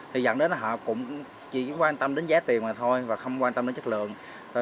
thì dẫn đến là họ cũng chỉ quan tâm đến giá tiền mà thôi và không quan tâm đến chất lượng